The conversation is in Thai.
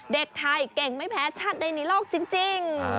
เด็กไทยเก่งไม่แพ้ชาติใดในโลกจริง